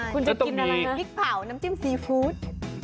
คุณจะกินอะไรนะคุณจะต้องมีพริกเผ่าน้ำจิ้มซีฟู้ด